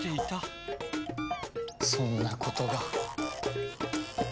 そんなことが。